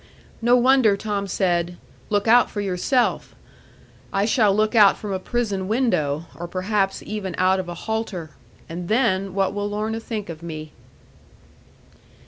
No wonder Tom said, "Look out for yourself!" I shall look out from a prison window, or perhaps even out of a halter. And then, what will Lorna think of me?'